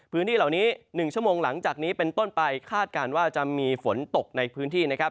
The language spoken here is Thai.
พื้นที่เหล่านี้๑ชั่วโมงหลังจากนี้เป็นต้นไปคาดการณ์ว่าจะมีฝนตกในพื้นที่นะครับ